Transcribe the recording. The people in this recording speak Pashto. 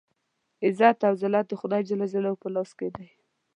عزت او ذلت د خدای جل جلاله په لاس کې دی.